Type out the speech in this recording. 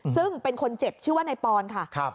ซึ่งเป็นคนเจ็บชื่อว่านายปอนค่ะ